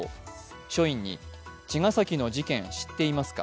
署員に、茅ヶ崎の事件、知っていますか？